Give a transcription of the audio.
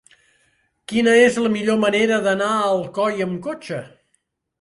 Quina és la millor manera d'anar a Alcoi amb cotxe?